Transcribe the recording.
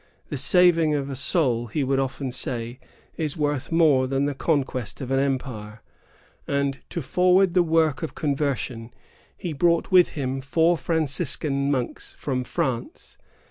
"The saving of a soul," he would often say, "is worth more than the conquest of an empire;" and to forward the work of conversion, he brought with him four Franciscan monks from France.